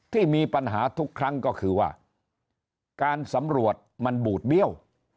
ที่มีปัญหาทุกครั้งก็คือว่าการสำรวจมันบูดเบี้ยว